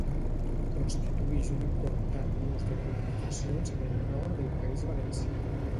constituïx un important nus de comunicacions en el nord del País Valencià.